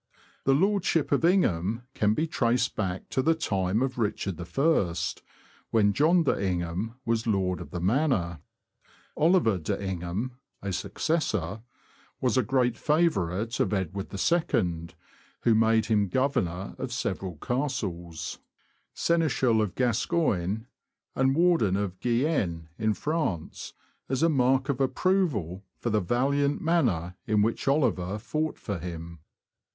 The lordship of Ingham can be traced back to the time of Richard I., when John de Ingham was lord of the manor. Oliver de Ingham (a successor) was a great favourite of Edward II., who made him governor of several castles. Seneschal of Gascoine, and Warden of Guyenne, in France, as a mark of approval for the valiant manner in which Oliver fought for him.